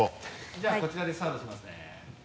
じゃあこちらでスタートしますね。